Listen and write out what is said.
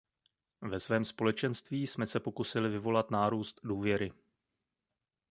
Ve svém společenství jsme se pokusili vyvolat nárůst důvěry.